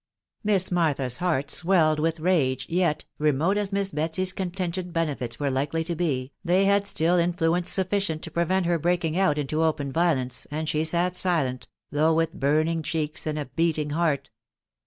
Miss Martha's heart swelled with rage, yet, remote as Miss Betsy's contingent benefits were likely to be, they had still in fluence sufficient to prevent her breaking out into open violence, and she sat silent, though with burning cheeks and a beating heart.